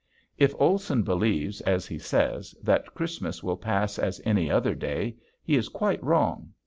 If Olson believes, as he says, that Christmas will pass as any other day he is quite wrong.